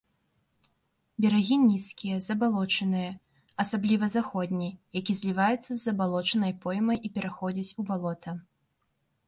Берагі нізкія, забалочаныя, асабліва заходні, які зліваецца з забалочанай поймай і пераходзіць у балота.